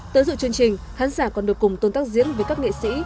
tới dự chương trình khán giả còn được cùng tôn tác diễn với các nghệ sĩ